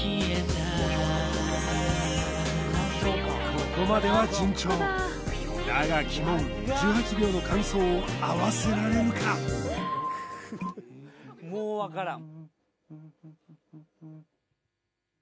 ここまでは順調だが鬼門１８秒の間奏を合わせられるかもう分からん